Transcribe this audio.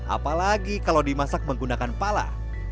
apalagi kalau dimasak menggunakan pala